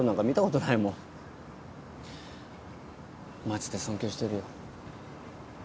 マジで尊敬してるよ。